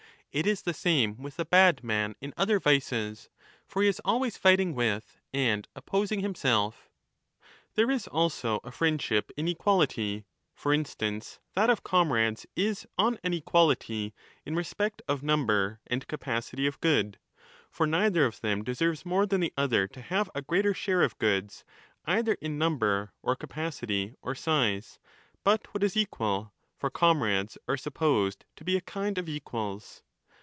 It is the same with the bad man in other vices. For he is always fighting with and opposing himself. There is also a friendship in equality ; for instance, that 5 of comrades is on an equality in respect of number and capacity of good (for neither of them deserves more than the other to have a greater share of goods either in number or capacity or size, but what is equal ; for comrades are supposed to be a kind of equals).